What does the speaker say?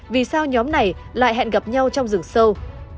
vì sao nhóm này lại hẹn gặp nhau trong rừng sâu